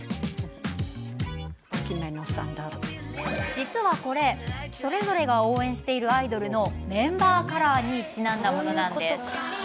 実はこれそれぞれが応援しているアイドルのメンバーカラーにちなんだものなんです。